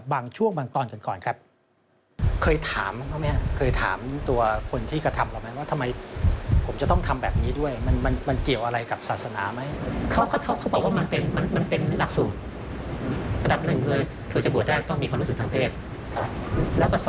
บางช่วงบางตอนกันก่อนครับ